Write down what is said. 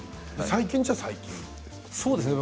最近っちゃ最近ですか。